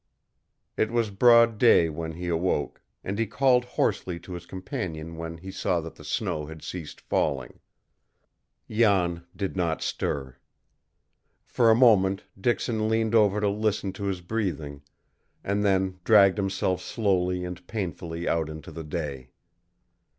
It was broad day when he awoke, and he called hoarsely to his companion when he saw that the snow had ceased falling. Jan did not stir. For a moment Dixon leaned over to listen to his breathing, and then dragged himself slowly and painfully out into the day.